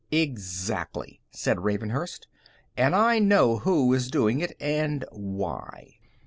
"Exactly," said Ravenhurst, "and I know who is doing it and why."